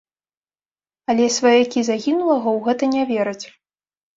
Але сваякі загінулага ў гэта не вераць.